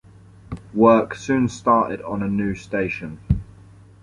Work soon started on a new station.